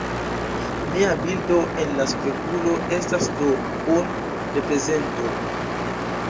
Mia bildo en la spegulo estas do un reprezento.